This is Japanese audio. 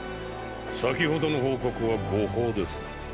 先ほどの報告は誤報です。